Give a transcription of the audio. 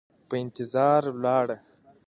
په انتظار ولاړه